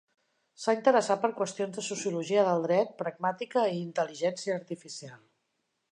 S'ha interessat per qüestions de sociologia del dret, pragmàtica i intel·ligència artificial.